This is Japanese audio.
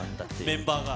メンバーが？